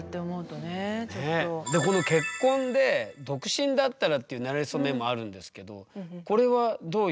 でこの「結婚」で「独身だったら」っていうなれそメモあるんですけどこれはどういう？